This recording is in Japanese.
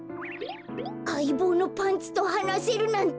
あいぼうのパンツとはなせるなんて。